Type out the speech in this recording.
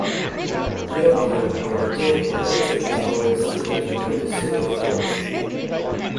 Yoker were again promoted the following season to join the Super First.